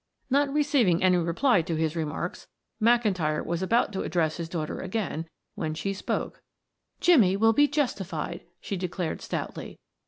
Not receiving any reply to his remarks, McIntyre was about to address his daughter again when she spoke. "Jimmie will be justified," she declared stoutly.